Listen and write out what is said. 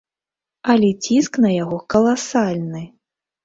Але ціск на яго каласальны!